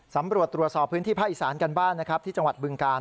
สำรวจตรวจสอบพื้นที่ภาคอีสานกันบ้างนะครับที่จังหวัดบึงกาล